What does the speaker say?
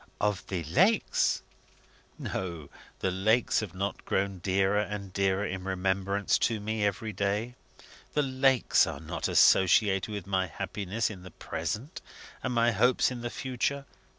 "Of the lakes?" "No. The lakes have not grown dearer and dearer in remembrance to me every day. The lakes are not associated with my happiness in the present, and my hopes in the future.